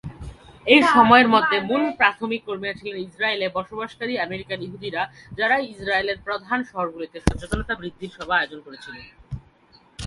এই সময়ের মধ্যে, মূল প্রাথমিক কর্মীরা ছিলেন ইসরায়েলে বসবাসকারী আমেরিকান ইহুদিরা, যারা ইসরায়েলের প্রধান শহরগুলিতে সচেতনতা বৃদ্ধির সভা আয়োজন করেছিল।